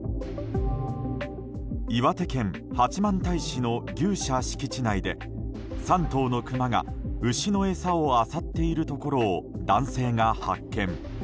岩手県八幡平市の牛舎敷地内で３頭のクマが牛の餌をあさっているところを男性が発見。